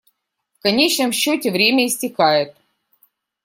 В конечном счете время истекает.